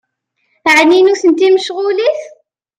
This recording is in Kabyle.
Ɛni nutenti mecɣulit?